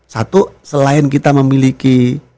satu selain kita memiliki